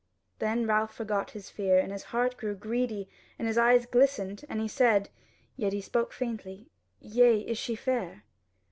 Then Ralph forgot his fear, and his heart grew greedy and his eyes glistened, and he said, yet he spoke faintly: "Yea, is she fair?"